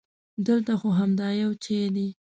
دلته خو همدا یو چای دی.